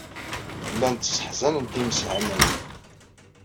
Llant sseḥzanent imeshanayen.